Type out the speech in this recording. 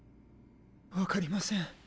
分かりません